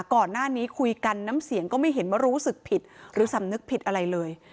ก่อนหน้านี้คุยกันน้ำเสียงก็ไม่เห็นว่ารู้สึกผิดหรือสำนึกผิดอะไรเลย